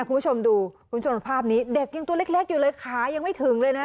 คุณผู้ชมดูคุณผู้ชมภาพนี้เด็กยังตัวเล็กอยู่เลยขายังไม่ถึงเลยนะ